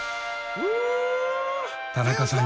田中さん